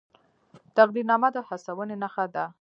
تقدیرنامه د هڅونې نښه ده